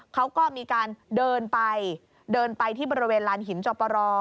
เขาก็มีการเดินไปที่บริเวณร้านหินจบปะรอ